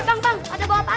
angkat ujung paut